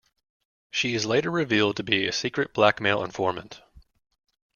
She is later revealed to be a secret blackmail informant.